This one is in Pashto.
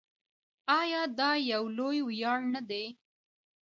آیا دا یو لوی ویاړ نه دی؟